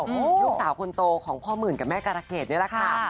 ลูกสาวคนโตของพ่อหมื่นกับแม่การะเกดนี่แหละค่ะ